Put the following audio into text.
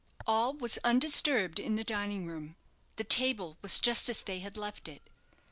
All was undisturbed in the dining room; the table was just as they had left it.